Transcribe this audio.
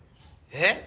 えっ？